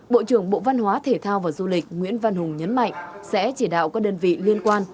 bộ trưởng bộ văn hóa thể thao và du lịch nguyễn văn hùng nhấn mạnh sẽ chỉ đạo các đơn vị liên quan